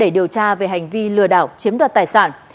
để điều tra về hành vi lừa đảo chiếm đoạt tài sản